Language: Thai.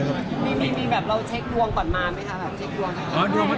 เดี๋ยวรุงพล